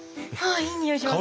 いい匂いしますね。